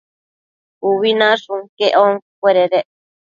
Ubi nashun quec onquecuededec